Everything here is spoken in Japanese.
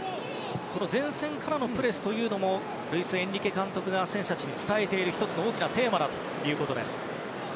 前線からのプレスもルイス・エンリケ監督が選手たちに伝えている１つの大きなテーマだということです。